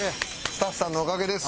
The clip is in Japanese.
スタッフさんのおかげです。